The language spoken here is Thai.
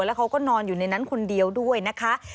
แล้วเขาก็นอนอยู่ในนั้นคนเดียวด้วยนะคะ